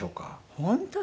本当に？